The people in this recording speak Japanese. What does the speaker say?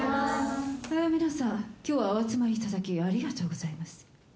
皆さん今日はお集まりいただきありがとうございます。